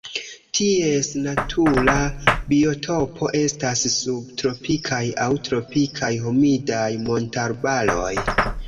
Ties natura biotopo estas subtropikaj aŭ tropikaj humidaj montarbaroj.